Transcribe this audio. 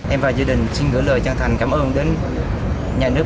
em và gia đình xin gửi lời chân thành cảm ơn đến nhà nước